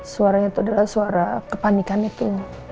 suaranya itu adalah suara kepanikan itu